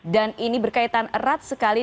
dan ini berkaitan erat sekali